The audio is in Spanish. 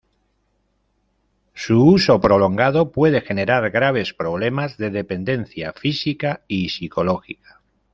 Su uso prolongado puede generar graves problemas de dependencia física y psicológica.